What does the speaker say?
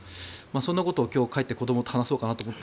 そんなことを今日、帰って子どもと話してみようと。